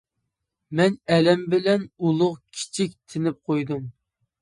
مەن ئەلەم بىلەن ئۇلۇغ كىچىك تىنىپ قويدۇم.